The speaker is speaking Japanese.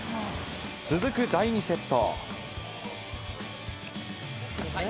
続く第２セット。